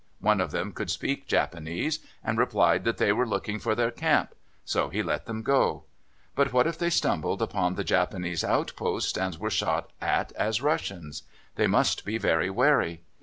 One of them could speak Japanese, and replied that they were looking for their camp. So he let them go. But what if they stumbled upon the Japanese outposts and were shot at as Russians? They must be very wary.